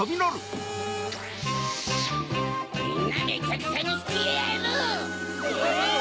みんなめちゃくちゃにしてやる！え！